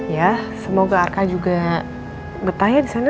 ya semoga aka juga betah ya di sana